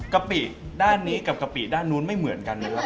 กปิด้านนี้กับกะปิด้านนู้นไม่เหมือนกันนะครับ